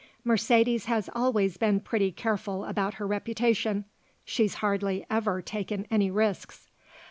Mercedes has always been pretty careful about her reputation; she's hardly ever taken any risks.